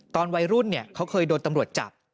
ตอนวัยรุ่นเขาเคยโดนตำรวจจับ